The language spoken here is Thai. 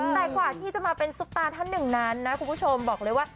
แต่กว่าที่จะมาเป็นซุปตาท่านหนึ่งนั้นนะคุณผู้ชมบอกเลยว่า